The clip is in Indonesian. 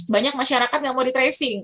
banyak masyarakat yang mau di tracing